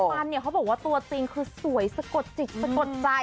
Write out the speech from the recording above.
ฟันเนี่ยเขาบอกว่าตัวจริงคือสวยสะกดจิตสะกดใจ